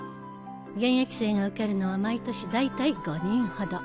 現役生が受かるのは毎年だいたい５人ほど。